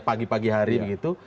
pagi pagi hari begitu